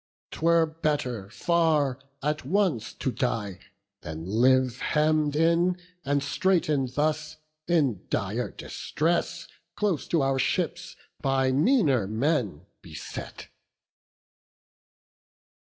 'Twere better far at once to die, than live Hemm'd in and straiten'd thus, in dire distress, Close to our ships, by meaner men beset."